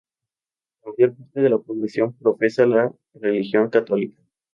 La mayor parte de la población profesa la religión católica.